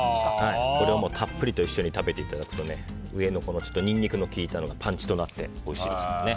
たっぷりと一緒に食べていただくとニンニクのきいたのがパンチとなっておいしいですからね。